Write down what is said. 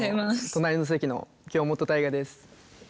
隣の席の京本大我です。